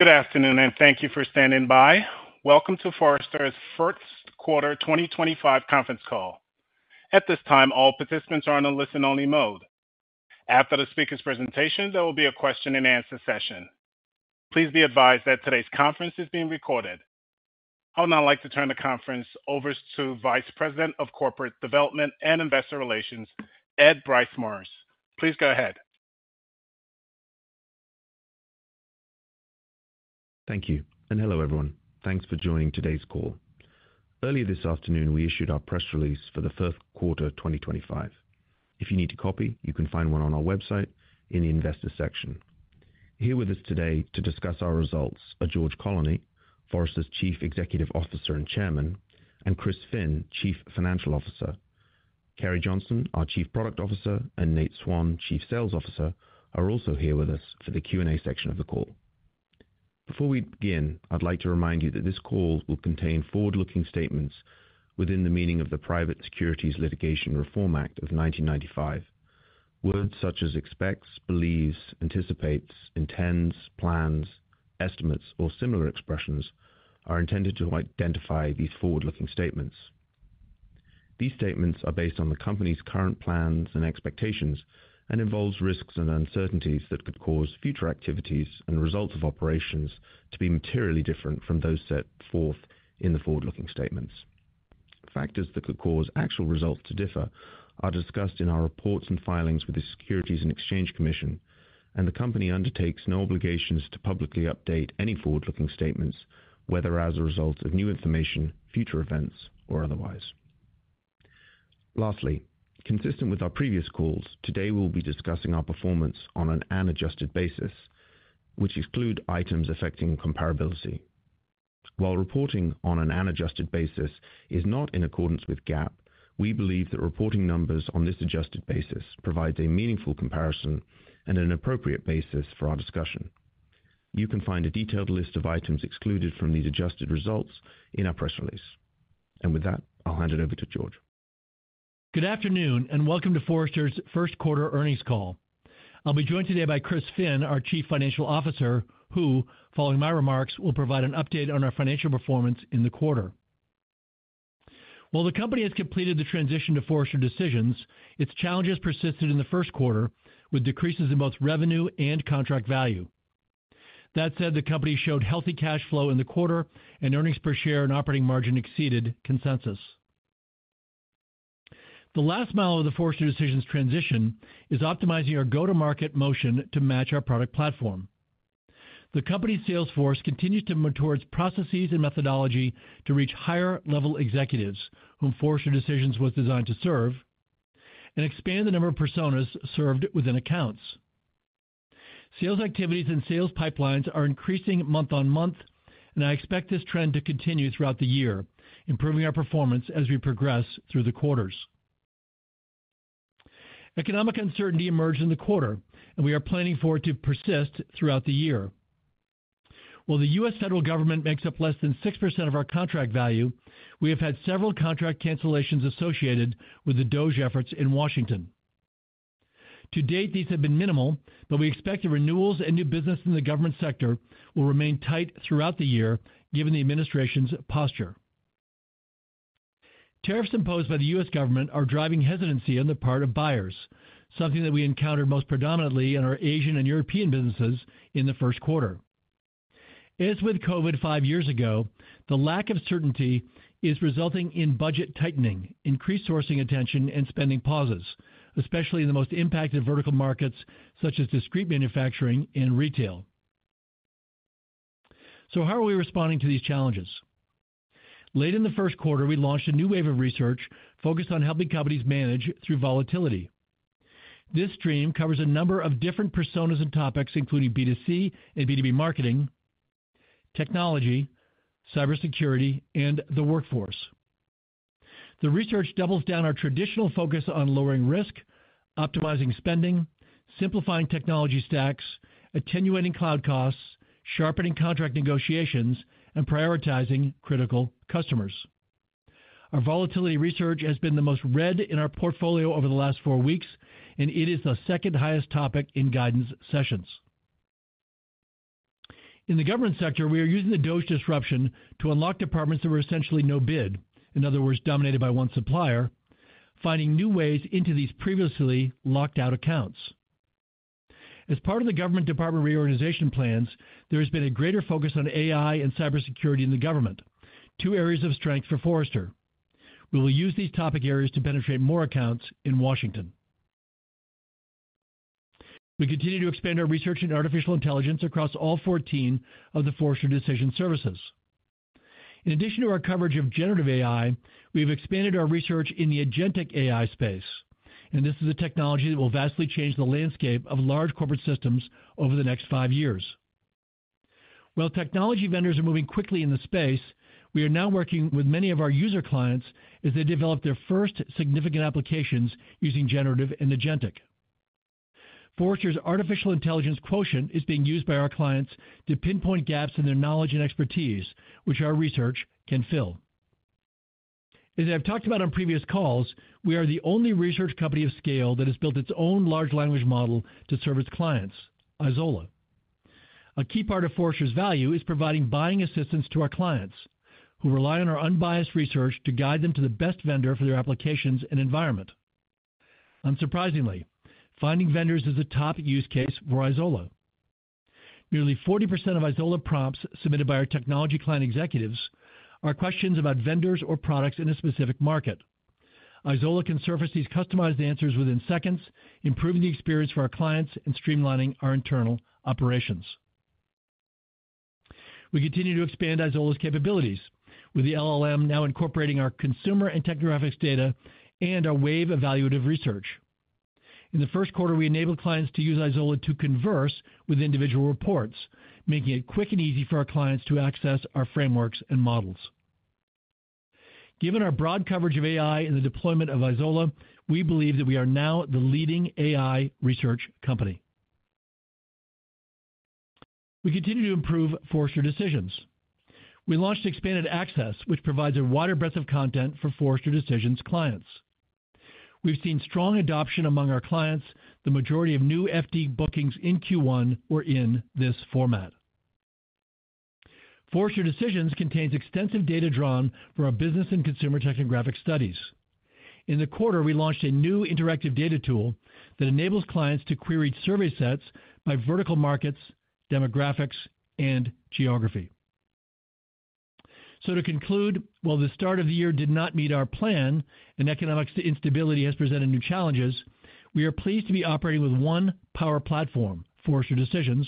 Good afternoon, and thank you for standing by. Welcome to Forrester's first quarter 2025 Conference Call. At this time, all participants are on a listen-only mode. After the speaker's presentation, there will be a question-and-answer session. Please be advised that today's conference is being recorded. I would now like to turn the conference over to Vice President of Corporate Development and Investor Relations, Ed Bryce-Morris. Please go ahead. Thank you. Hello, everyone. Thanks for joining today's call. Earlier this afternoon, we issued our press release for the first quarter 2025. If you need a copy, you can find one on our website in the Investor section. Here with us today to discuss our results are George Colony, Forrester's Chief Executive Officer and Chairman, and Chris Finn, Chief Financial Officer. Carrie Johnson, our Chief Product Officer, and Nate Swan, Chief Sales Officer, are also here with us for the Q&A section of the call. Before we begin, I'd like to remind you that this call will contain forward-looking statements within the meaning of the Private Securities Litigation Reform Act of 1995. Words such as expects, believes, anticipates, intends, plans, estimates, or similar expressions are intended to identify these forward-looking statements. These statements are based on the company's current plans and expectations and involve risks and uncertainties that could cause future activities and results of operations to be materially different from those set forth in the forward-looking statements. Factors that could cause actual results to differ are discussed in our reports and filings with the Securities and Exchange Commission, and the company undertakes no obligations to publicly update any forward-looking statements, whether as a result of new information, future events, or otherwise. Lastly, consistent with our previous calls, today we will be discussing our performance on an adjusted basis, which excludes items affecting comparability. While reporting on an adjusted basis is not in accordance with GAAP, we believe that reporting numbers on this adjusted basis provide a meaningful comparison and an appropriate basis for our discussion. You can find a detailed list of items excluded from these adjusted results in our press release. With that, I'll hand it over to George. Good afternoon and welcome to Forrester's first quarter earnings call. I'll be joined today by Chris Finn, our Chief Financial Officer, who, following my remarks, will provide an update on our financial performance in the quarter. While the company has completed the transition to Forrester Decisions, its challenges persisted in the first quarter with decreases in both revenue and contract value. That said, the company showed healthy cash flow in the quarter, and earnings per share and operating margin exceeded consensus. The last mile of the Forrester Decisions transition is optimizing our go-to-market motion to match our product platform. The company's sales force continues to move towards processes and methodology to reach higher-level executives whom Forrester Decisions was designed to serve and expand the number of personas served within accounts. Sales activities and sales pipelines are increasing month on month, and I expect this trend to continue throughout the year, improving our performance as we progress through the quarters. Economic uncertainty emerged in the quarter, and we are planning for it to persist throughout the year. While the U.S. federal government makes up less than 6% of our contract value, we have had several contract cancellations associated with the DOGE efforts in Washington. To date, these have been minimal, but we expect the renewals and new business in the government sector will remain tight throughout the year, given the administration's posture. Tariffs imposed by the U.S. government are driving hesitancy on the part of buyers, something that we encountered most predominantly in our Asian and European businesses in the first quarter. As with COVID five years ago, the lack of certainty is resulting in budget tightening, increased sourcing attention, and spending pauses, especially in the most impacted vertical markets such as discrete manufacturing and retail. How are we responding to these challenges? Late in the first quarter, we launched a new wave of research focused on helping companies manage through volatility. This stream covers a number of different personas and topics, including B2C and B2B marketing, technology, cybersecurity, and the workforce. The research doubles down on our traditional focus on lowering risk, optimizing spending, simplifying technology stacks, attenuating cloud costs, sharpening contract negotiations, and prioritizing critical customers. Our volatility research has been the most read in our portfolio over the last four weeks, and it is the second highest topic in guidance sessions. In the government sector, we are using the DOGE disruption to unlock departments that were essentially no bid, in other words, dominated by one supplier, finding new ways into these previously locked-out accounts. As part of the government department reorganization plans, there has been a greater focus on AI and cybersecurity in the government, two areas of strength for Forrester. We will use these topic areas to penetrate more accounts in Washington. We continue to expand our research in artificial intelligence across all 14 of the Forrester Decisions services. In addition to our coverage of generative AI, we have expanded our research in the agentic AI space, and this is a technology that will vastly change the landscape of large corporate systems over the next five years. While technology vendors are moving quickly in the space, we are now working with many of our user clients as they develop their first significant applications using generative and agentic. Forrester's Artificial Intelligence Quotient is being used by our clients to pinpoint gaps in their knowledge and expertise, which our research can fill. As I've talked about on previous calls, we are the only research company of scale that has built its own large language model to serve its clients, Isola. A key part of Forrester's value is providing buying assistance to our clients, who rely on our unbiased research to guide them to the best vendor for their applications and environment. Unsurprisingly, finding vendors is a top use case for Isola. Nearly 40% of Isola prompts submitted by our technology client executives are questions about vendors or products in a specific market. Isola can surface these customized answers within seconds, improving the experience for our clients and streamlining our internal operations. We continue to expand Isola's capabilities, with the LLM now incorporating our consumer and technographics data and our wave evaluative research. In the first quarter, we enabled clients to use Isola to converse with individual reports, making it quick and easy for our clients to access our frameworks and models. Given our broad coverage of AI and the deployment of Isola, we believe that we are now the leading AI research company. We continue to improve Forrester Decisions. We launched Expanded Access, which provides a wider breadth of content for Forrester Decisions clients. We've seen strong adoption among our clients, the majority of new FD bookings in Q1 were in this format. Forrester Decisions contains extensive data drawn from our business and consumer technographic studies. In the quarter, we launched a new interactive data tool that enables clients to query survey sets by vertical markets, demographics, and geography. To conclude, while the start of the year did not meet our plan and economic instability has presented new challenges, we are pleased to be operating with one power platform, Forrester Decisions,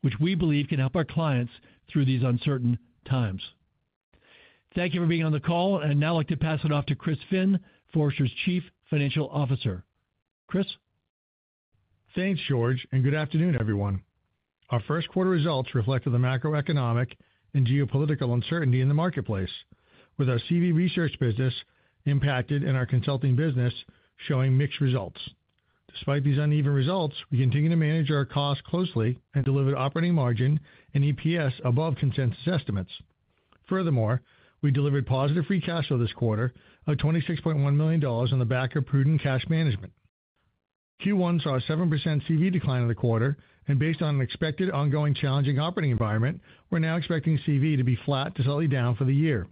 which we believe can help our clients through these uncertain times. Thank you for being on the call, and now I'd like to pass it off to Chris Finn, Forrester's Chief Financial Officer. Chris. Thanks, George, and good afternoon, everyone. Our first quarter results reflected the macroeconomic and geopolitical uncertainty in the marketplace, with our CV research business impacted and our consulting business showing mixed results. Despite these uneven results, we continue to manage our costs closely and delivered operating margin and EPS above consensus estimates. Furthermore, we delivered positive free cash flow this quarter of $26.1 million on the back of prudent cash management. Q1 saw a 7% CV decline in the quarter, and based on an expected ongoing challenging operating environment, we're now expecting CV to be flat to slightly down for the year.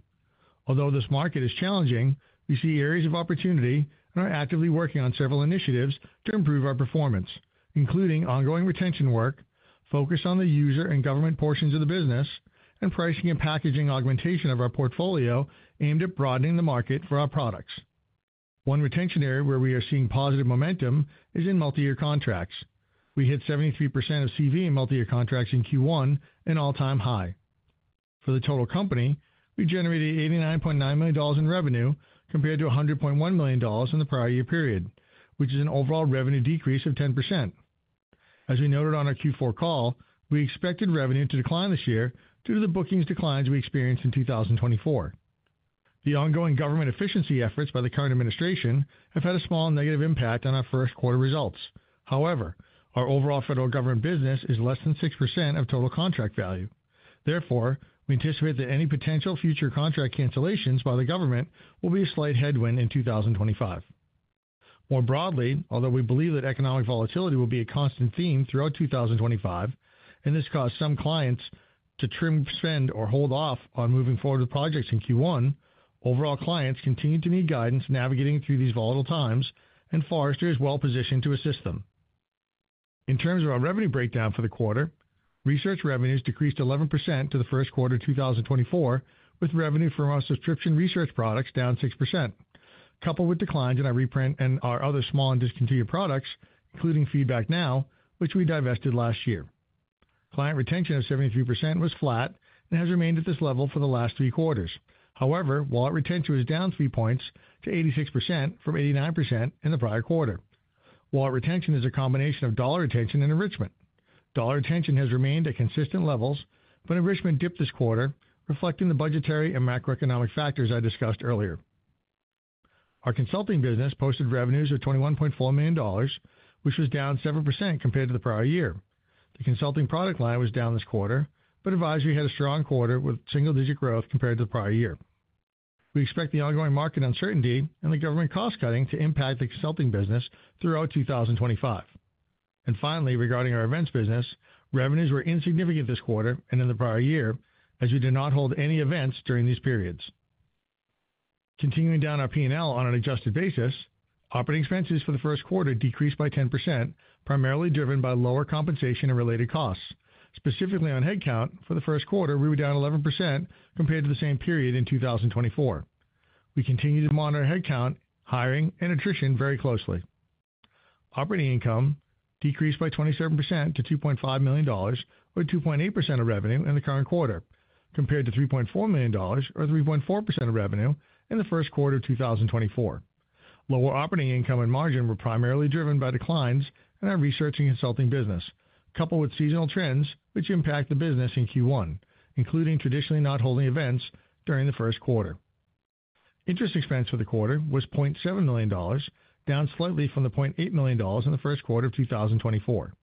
Although this market is challenging, we see areas of opportunity and are actively working on several initiatives to improve our performance, including ongoing retention work, focus on the user and government portions of the business, and pricing and packaging augmentation of our portfolio aimed at broadening the market for our products. One retention area where we are seeing positive momentum is in multi-year contracts. We hit 73% of CV in multi-year contracts in Q1, an all-time high. For the total company, we generated $89.9 million in revenue compared to $100.1 million in the prior year period, which is an overall revenue decrease of 10%. As we noted on our Q4 call, we expected revenue to decline this year due to the bookings declines we experienced in 2024. The ongoing government efficiency efforts by the current administration have had a small negative impact on our first quarter results. However, our overall federal government business is less than 6% of total contract value. Therefore, we anticipate that any potential future contract cancellations by the government will be a slight headwind in 2025. More broadly, although we believe that economic volatility will be a constant theme throughout 2025, and this caused some clients to trim spend or hold off on moving forward with projects in Q1, overall clients continue to need guidance navigating through these volatile times, and Forrester is well-positioned to assist them. In terms of our revenue breakdown for the quarter, research revenues decreased 11% to the first quarter of 2024, with revenue from our subscription research products down 6%, coupled with declines in our reprint and our other small and discontinued products, including Feedback Now, which we divested last year. Client retention of 73% was flat and has remained at this level for the last three quarters. However, wallet retention was down three points to 86% from 89% in the prior quarter. Wallet retention is a combination of dollar retention and enrichment. Dollar retention has remained at consistent levels, but enrichment dipped this quarter, reflecting the budgetary and macroeconomic factors I discussed earlier. Our consulting business posted revenues of $21.4 million, which was down 7% compared to the prior year. The consulting product line was down this quarter, but advisory had a strong quarter with single-digit growth compared to the prior year. We expect the ongoing market uncertainty and the government cost-cutting to impact the consulting business throughout 2025. Finally, regarding our events business, revenues were insignificant this quarter and in the prior year as we did not hold any events during these periods. Continuing down our P&L on an adjusted basis, operating expenses for the first quarter decreased by 10%, primarily driven by lower compensation and related costs. Specifically on headcount, for the first quarter, we were down 11% compared to the same period in 2024. We continue to monitor headcount, hiring, and attrition very closely. Operating income decreased by 27% to $2.5 million, or 2.8% of revenue in the current quarter, compared to $3.4 million, or 3.4% of revenue in the first quarter of 2024. Lower operating income and margin were primarily driven by declines in our research and consulting business, coupled with seasonal trends which impact the business in Q1, including traditionally not holding events during the first quarter. Interest expense for the quarter was $0.7 million, down slightly from the $0.8 million in the first quarter of 2024.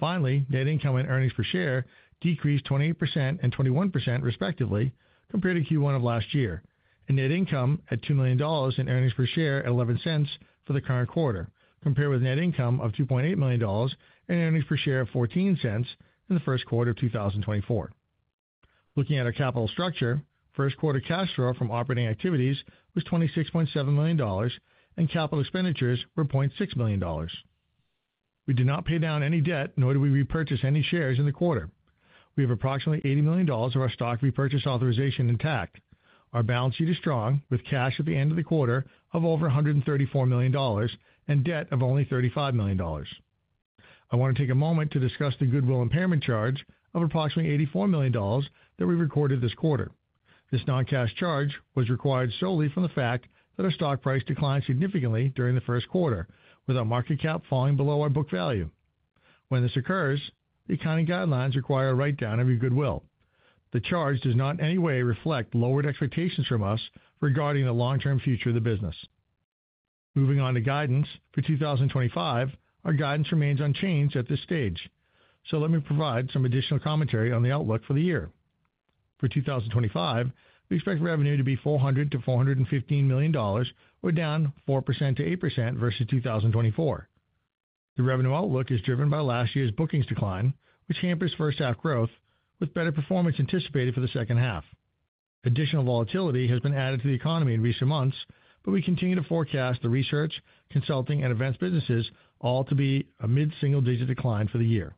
Finally, net income and earnings per share decreased 28% and 21% respectively compared to Q1 of last year, and net income at $2 million and earnings per share at $0.11 for the current quarter, compared with net income of $2.8 million and earnings per share of $0.14 in the first quarter of 2024. Looking at our capital structure, first quarter cash flow from operating activities was $26.7 million, and capital expenditures were $0.6 million. We did not pay down any debt, nor did we repurchase any shares in the quarter. We have approximately $80 million of our stock repurchase authorization intact. Our balance sheet is strong, with cash at the end of the quarter of over $134 million and debt of only $35 million. I want to take a moment to discuss the goodwill impairment charge of approximately $84 million that we recorded this quarter. This non-cash charge was required solely from the fact that our stock price declined significantly during the first quarter, with our market cap falling below our book value. When this occurs, the accounting guidelines require a write-down of your goodwill. The charge does not in any way reflect lowered expectations from us regarding the long-term future of the business. Moving on to guidance for 2025, our guidance remains unchanged at this stage. Let me provide some additional commentary on the outlook for the year. For 2025, we expect revenue to be $400-$415 million, or down 4%-8% versus 2024. The revenue outlook is driven by last year's bookings decline, which hampers first-half growth, with better performance anticipated for the second half. Additional volatility has been added to the economy in recent months, but we continue to forecast the research, consulting, and events businesses all to be a mid-single-digit decline for the year.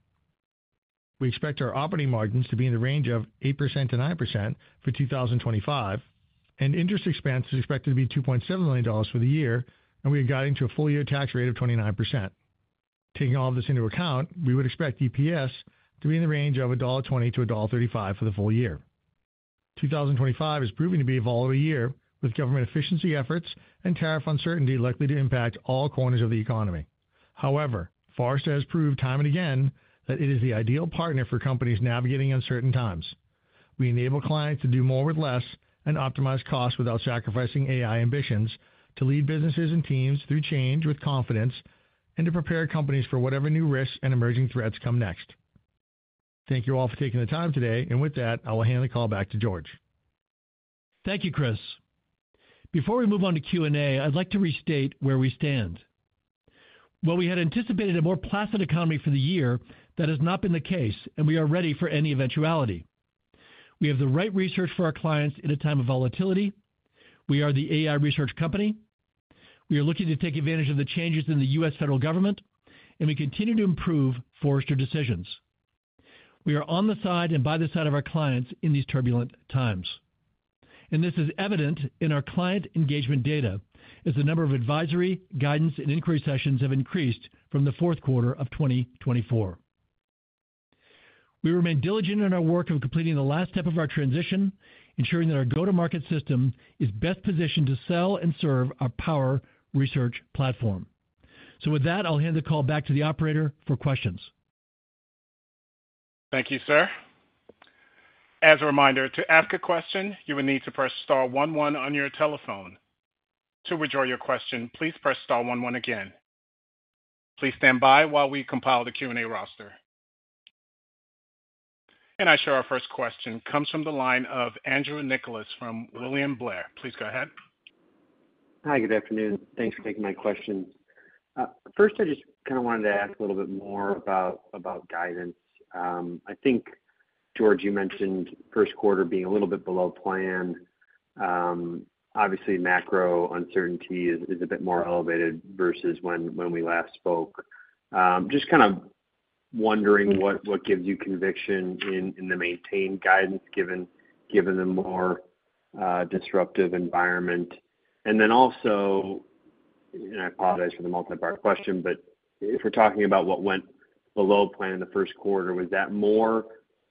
We expect our operating margins to be in the range of 8%-9% for 2025, and interest expense is expected to be $2.7 million for the year, and we are guiding to a full-year tax rate of 29%. Taking all of this into account, we would expect EPS to be in the range of $20-$35 for the full year. 2025 is proving to be a volatile year, with government efficiency efforts and tariff uncertainty likely to impact all corners of the economy. However, Forrester has proved time and again that it is the ideal partner for companies navigating uncertain times. We enable clients to do more with less and optimize costs without sacrificing AI ambitions to lead businesses and teams through change with confidence and to prepare companies for whatever new risks and emerging threats come next. Thank you all for taking the time today, and with that, I will hand the call back to George. Thank you, Chris. Before we move on to Q&A, I'd like to restate where we stand. While we had anticipated a more placid economy for the year, that has not been the case, and we are ready for any eventuality. We have the right research for our clients in a time of volatility. We are the AI research company. We are looking to take advantage of the changes in the U.S. federal government, and we continue to improve Forrester Decisions. We are on the side and by the side of our clients in these turbulent times. This is evident in our client engagement data, as the number of advisory, guidance, and inquiry sessions have increased from the fourth quarter of 2024. We remain diligent in our work of completing the last step of our transition, ensuring that our go-to-market system is best positioned to sell and serve our power research platform. With that, I'll hand the call back to the operator for questions. Thank you, sir. As a reminder, to ask a question, you will need to press star 11 on your telephone. To withdraw your question, please press star 11 again. Please stand by while we compile the Q&A roster. I share our first question comes from the line of Andrew Nicholas from William Blair. Please go ahead. Hi, good afternoon. Thanks for taking my question. First, I just kind of wanted to ask a little bit more about guidance. I think, George, you mentioned first quarter being a little bit below plan. Obviously, macro uncertainty is a bit more elevated versus when we last spoke. Just kind of wondering what gives you conviction in the maintained guidance given the more disruptive environment. Also, and I apologize for the multi-part question, if we're talking about what went below plan in the first quarter, was that more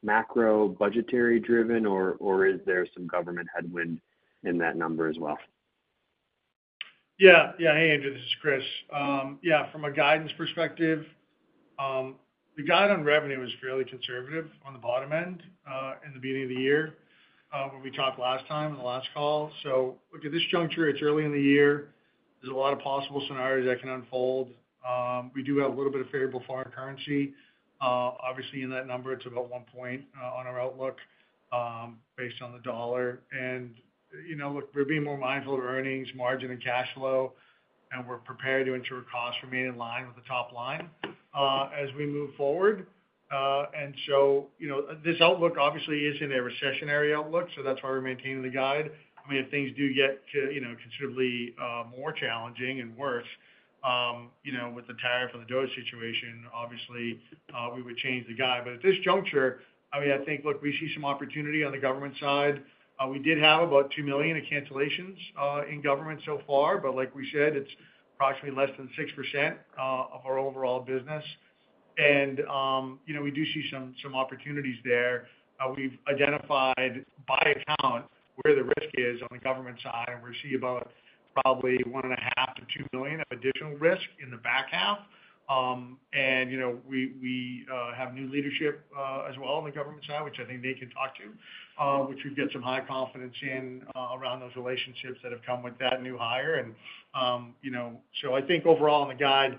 macro budgetary driven, or is there some government headwind in that number as well? Yeah. Yeah. Hey, Andrew. This is Chris. Yeah. From a guidance perspective, the guide on revenue was fairly conservative on the bottom end in the beginning of the year when we talked last time in the last call. Look, at this juncture, it's early in the year. There's a lot of possible scenarios that can unfold. We do have a little bit of favorable foreign currency. Obviously, in that number, it's about one point on our outlook based on the dollar. Look, we're being more mindful of earnings, margin, and cash flow, and we're prepared to ensure costs remain in line with the top line as we move forward. This outlook obviously isn't a recessionary outlook, so that's why we're maintaining the guide. I mean, if things do get considerably more challenging and worse with the tariff and the DOGE situation, obviously, we would change the guide. At this juncture, I mean, I think, look, we see some opportunity on the government side. We did have about $2 million of cancellations in government so far, but like we said, it's approximately less than 6% of our overall business. We do see some opportunities there. We've identified by account where the risk is on the government side, and we see about probably $1.5-$2 million of additional risk in the back half. We have new leadership as well on the government side, which I think they can talk to, which we've got some high confidence in around those relationships that have come with that new hire. I think overall on the guide,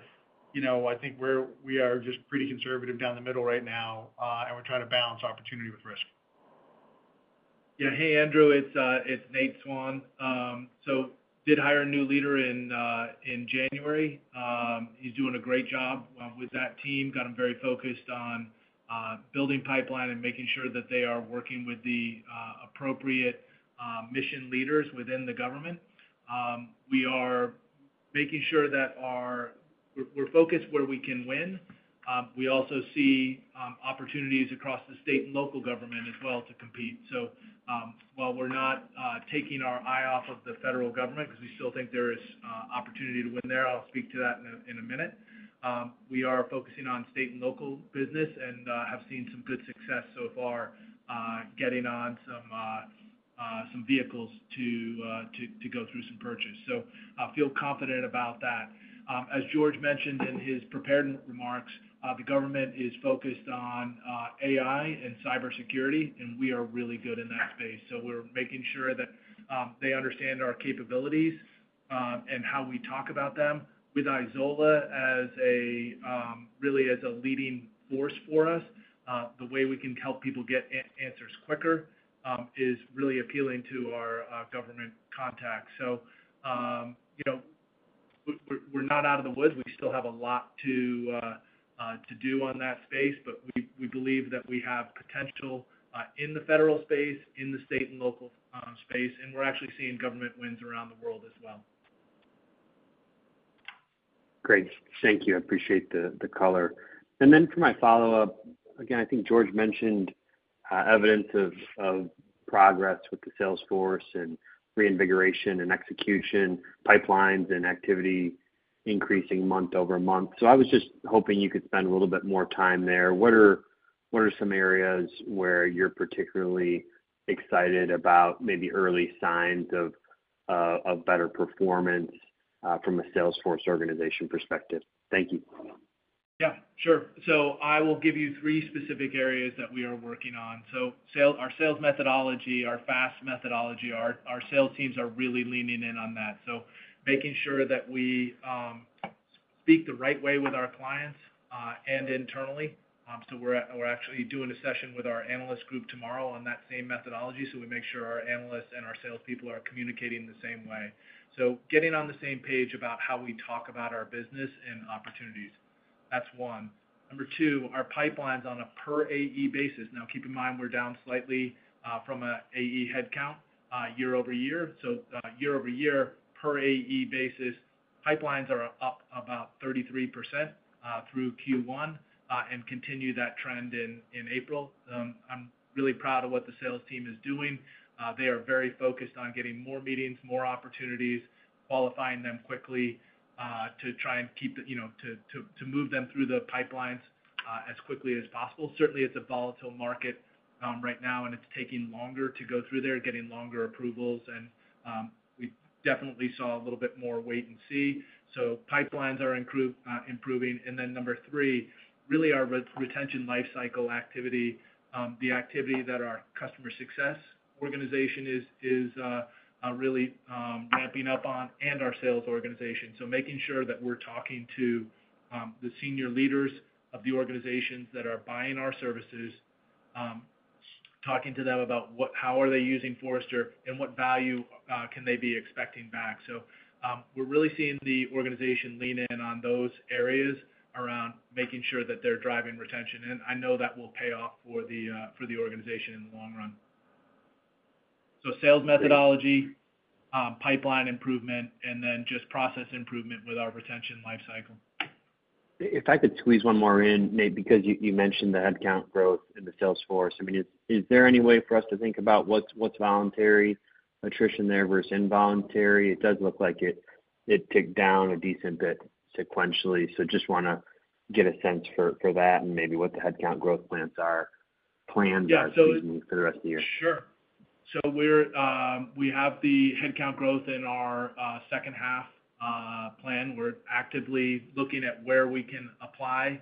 I think we are just pretty conservative down the middle right now, and we're trying to balance opportunity with risk. Yeah. Hey, Andrew. It's Nate Swan. Did hire a new leader in January. He's doing a great job with that team. Got him very focused on building pipeline and making sure that they are working with the appropriate mission leaders within the government. We are making sure that we're focused where we can win. We also see opportunities across the state and local government as well to compete. While we're not taking our eye off of the federal government because we still think there is opportunity to win there, I'll speak to that in a minute. We are focusing on state and local business and have seen some good success so far getting on some vehicles to go through some purchase. I feel confident about that. As George mentioned in his prepared remarks, the government is focused on AI and cybersecurity, and we are really good in that space. We are making sure that they understand our capabilities and how we talk about them with Isola as really a leading force for us. The way we can help people get answers quicker is really appealing to our government contacts. We are not out of the woods. We still have a lot to do in that space, but we believe that we have potential in the federal space, in the state and local space, and we are actually seeing government wins around the world as well. Great. Thank you. I appreciate the color. For my follow-up, again, I think George mentioned evidence of progress with the sales force and reinvigoration and execution pipelines and activity increasing month over month. I was just hoping you could spend a little bit more time there. What are some areas where you're particularly excited about maybe early signs of better performance from a sales force organization perspective? Thank you. Yeah. Sure. I will give you three specific areas that we are working on. Our sales methodology, our FAST methodology, our sales teams are really leaning in on that. Making sure that we speak the right way with our clients and internally. We are actually doing a session with our analyst group tomorrow on that same methodology so we make sure our analysts and our salespeople are communicating the same way. Getting on the same page about how we talk about our business and opportunities. That is one. Number two, our pipelines on a per AE basis. Now, keep in mind we are down slightly from an AE headcount year-over-year. Year-over-year, per AE basis, pipelines are up about 33% through Q1 and continue that trend in April. I am really proud of what the sales team is doing. They are very focused on getting more meetings, more opportunities, qualifying them quickly to try and keep the to move them through the pipelines as quickly as possible. Certainly, it is a volatile market right now, and it is taking longer to go through there, getting longer approvals, and we definitely saw a little bit more wait and see. Pipelines are improving. Number three, really our retention lifecycle activity, the activity that our customer success organization is really ramping up on and our sales organization. Making sure that we are talking to the senior leaders of the organizations that are buying our services, talking to them about how are they using Forrester and what value can they be expecting back. We are really seeing the organization lean in on those areas around making sure that they are driving retention. I know that will pay off for the organization in the long run. Sales methodology, pipeline improvement, and then just process improvement with our retention lifecycle. If I could squeeze one more in, Nate, because you mentioned the headcount growth in the sales force. I mean, is there any way for us to think about what's voluntary attrition there versus involuntary? It does look like it ticked down a decent bit sequentially. Just want to get a sense for that and maybe what the headcount growth plans are for the rest of the year. Yeah. Sure. We have the headcount growth in our second-half plan. We're actively looking at where we can apply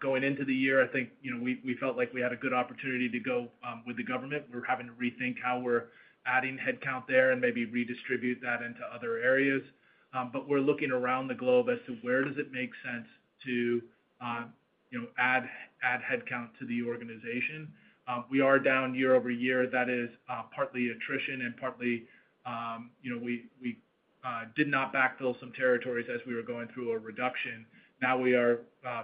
going into the year. I think we felt like we had a good opportunity to go with the government. We're having to rethink how we're adding headcount there and maybe redistribute that into other areas. We're looking around the globe as to where does it make sense to add headcount to the organization. We are down year-over-year. That is partly attrition and partly we did not backfill some territories as we were going through a reduction. Now we are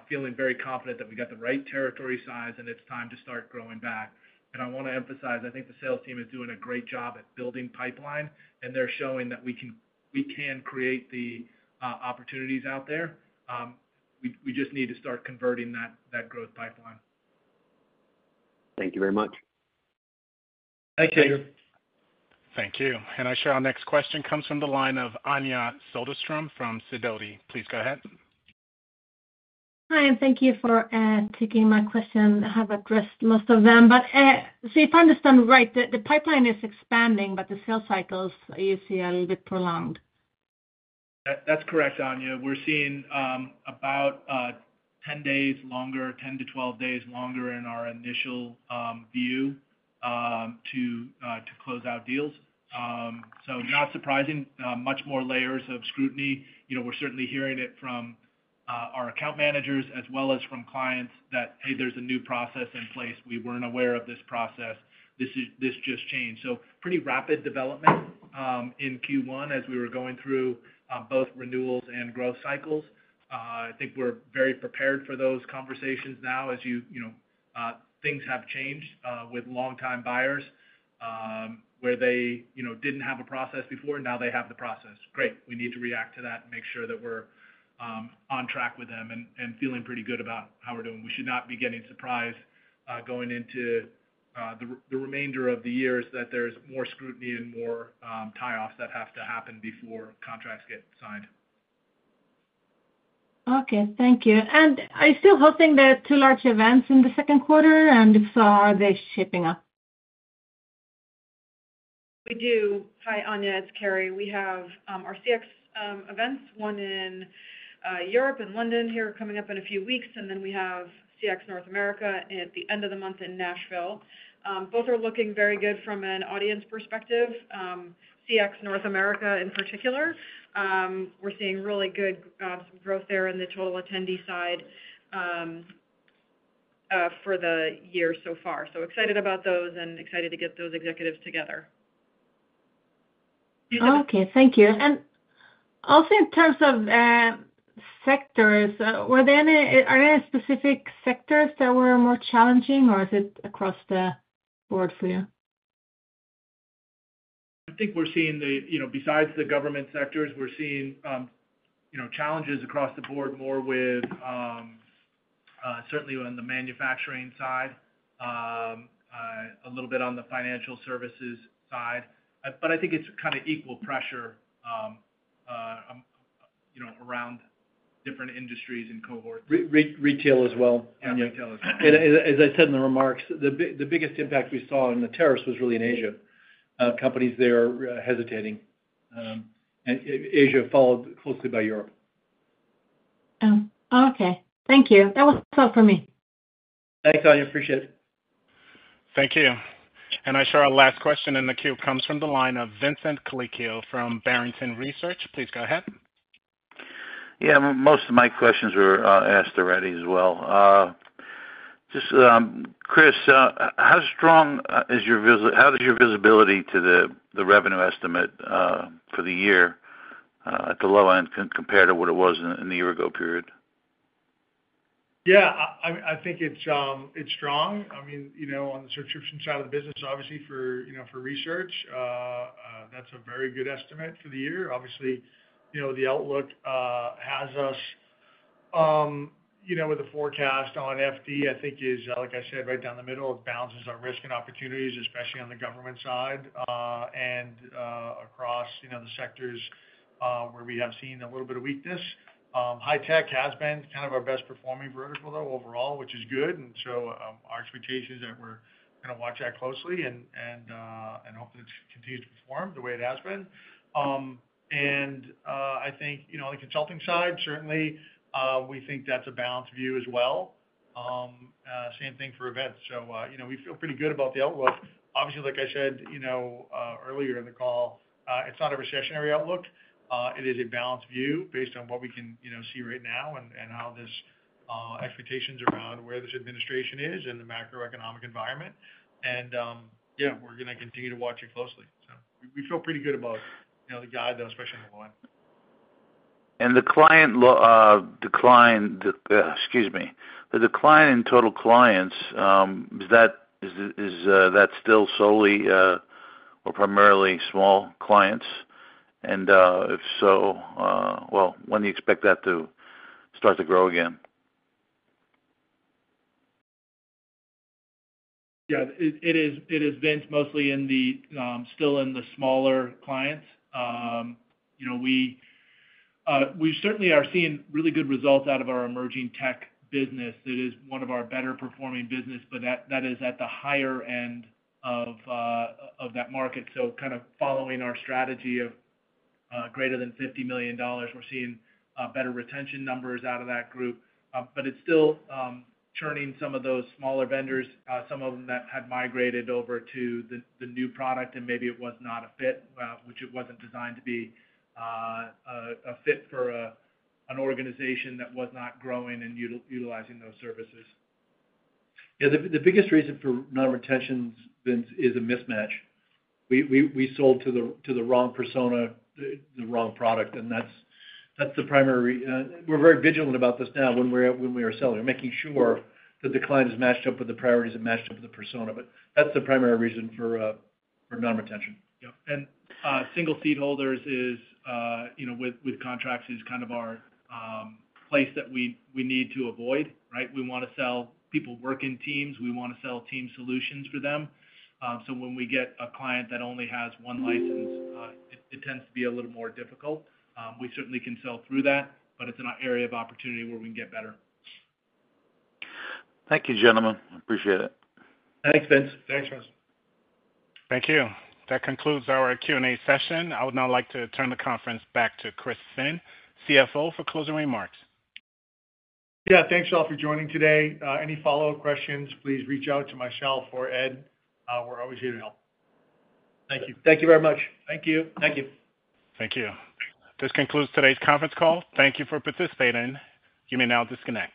feeling very confident that we got the right territory size, and it's time to start growing back. I want to emphasize, I think the sales team is doing a great job at building pipeline, and they're showing that we can create the opportunities out there. We just need to start converting that growth pipeline. Thank you very much. Thank you. Thank you. I share our next question comes from the line of Anja Söderström from Fidelity. Please go ahead. Hi. Thank you for taking my question. I have addressed most of them. If I understand right, the pipeline is expanding, but the sales cycles you see are a little bit prolonged. That's correct, Anja. We're seeing about 10 days longer, 10-12 days longer in our initial view to close out deals. Not surprising. Much more layers of scrutiny. We're certainly hearing it from our account managers as well as from clients that, "Hey, there's a new process in place. We weren't aware of this process. This just changed." Pretty rapid development in Q1 as we were going through both renewals and growth cycles. I think we're very prepared for those conversations now as things have changed with long-time buyers where they did not have a process before. Now they have the process. Great. We need to react to that and make sure that we're on track with them and feeling pretty good about how we're doing. We should not be getting surprised going into the remainder of the year that there's more scrutiny and more tie-offs that have to happen before contracts get signed. Okay. Thank you. Are you still hosting the two large events in the second quarter, and if so, are they shaping up? We do. Hi, Anja. It's Carrie. We have our CX events, one in Europe and London here coming up in a few weeks, and then we have CX North America at the end of the month in Nashville. Both are looking very good from an audience perspective, CX North America in particular. We're seeing really good growth there in the total attendee side for the year so far. Excited about those and excited to get those executives together. Okay. Thank you. Also, in terms of sectors, are there any specific sectors that were more challenging, or is it across the board for you? I think we're seeing the besides the government sectors, we're seeing challenges across the board more with certainly on the manufacturing side, a little bit on the financial services side. I think it's kind of equal pressure around different industries and cohorts. Retail as well. Yeah, retail as well. As I said in the remarks, the biggest impact we saw in the tariffs was really in Asia. Companies there are hesitating. Asia followed closely by Europe. Oh, okay. Thank you. That was all from me. Thanks, Anja. Appreciate it. Thank you. I share our last question in the queue comes from the line of Vincent Colicchio from Barrington Research. Please go ahead. Yeah. Most of my questions were asked already as well. Chris, how strong is your visibility to the revenue estimate for the year at the low end compared to what it was in the year ago period? Yeah. I think it's strong. I mean, on the subscription side of the business, obviously for research, that's a very good estimate for the year. Obviously, the outlook has us with a forecast on FD, I think, is, like I said, right down the middle. It balances our risk and opportunities, especially on the government side and across the sectors where we have seen a little bit of weakness. High tech has been kind of our best-performing vertical, though, overall, which is good. Our expectation is that we're going to watch that closely and hope that it continues to perform the way it has been. I think on the consulting side, certainly, we think that's a balanced view as well. Same thing for events. We feel pretty good about the outlook. Obviously, like I said earlier in the call, it's not a recessionary outlook. It is a balanced view based on what we can see right now and how this expectations around where this administration is and the macroeconomic environment. Yeah, we're going to continue to watch it closely. We feel pretty good about the guide, though, especially on the low end. The decline in total clients, is that still solely or primarily small clients? If so, when do you expect that to start to grow again? Yeah. It is vent mostly still in the smaller clients. We certainly are seeing really good results out of our emerging tech business. It is one of our better-performing business, but that is at the higher end of that market. Kind of following our strategy of greater than $50 million, we're seeing better retention numbers out of that group. It's still churning some of those smaller vendors, some of them that had migrated over to the new product, and maybe it was not a fit, which it was not designed to be a fit for an organization that was not growing and utilizing those services. Yeah. The biggest reason for non-retention is a mismatch. We sold to the wrong persona, the wrong product, and that's the primary reason. We're very vigilant about this now when we are selling. We're making sure that the client is matched up with the priorities and matched up with the persona. That's the primary reason for non-retention. Yeah. Single seat holders with contracts is kind of our place that we need to avoid, right? We want to sell people work in teams. We want to sell team solutions for them. When we get a client that only has one license, it tends to be a little more difficult. We certainly can sell through that, but it's an area of opportunity where we can get better. Thank you, gentlemen. Appreciate it. Thanks, Vince. Thanks, Chris. Thank you. That concludes our Q&A session. I would now like to turn the conference back to Chris Finn, CFO, for closing remarks. Yeah. Thanks, y'all, for joining today. Any follow-up questions, please reach out to myself or Ed. We're always here to help. Thank you. Thank you very much. Thank you. Thank you. Thank you. This concludes today's conference call. Thank you for participating. You may now disconnect.